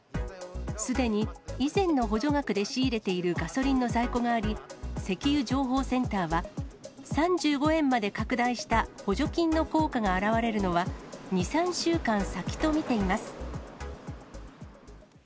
すでに以前の補助額で仕入れているガソリンの在庫があり、石油情報センターは、３５円まで拡大した補助金の効果が表れるのは、２、３週間先と見ています。